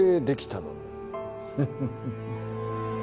フフフフ。